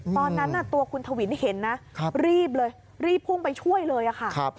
ตอนนั้นตัวคุณทวินเห็นนะรีบเลยรีบพุ่งไปช่วยเลยค่ะ